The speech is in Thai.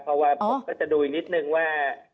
เพราะว่าผมก็จะดูอีกนิดนึงว่า